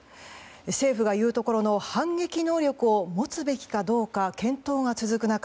政府が言うところの反撃能力を持つべきかどうか検討が続く中